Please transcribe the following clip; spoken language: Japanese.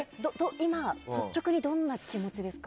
今、率直にどんな気持ちですか。